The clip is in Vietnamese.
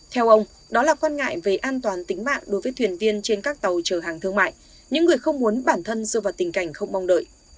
theo ông đó là quan ngại về an toàn tính mạng đối với thuyền viên trên các tàu chở hàng thương mại những người không muốn bản thân rơi vào tình cảnh không mong đợi